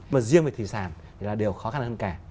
mà riêng về thị sản thì là điều khó khăn hơn cả